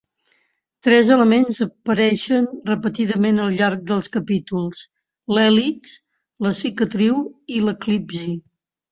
Tres elements apareixen repetidament al llarg dels capítols: l'hèlix, la cicatriu, i l'eclipsi.